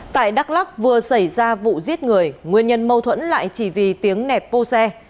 tại đắk lắc vừa xảy ra vụ giết người nguyên nhân mâu thuẫn lại chỉ vì tiếng nẹp bô xe